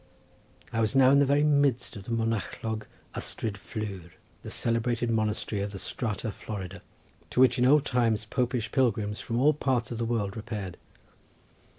I was now in the very midst of the Monachlog Ystrad Flur, the celebrated monastery of Strata Florida, to which in old times Popish pilgrims from all parts of the world repaired.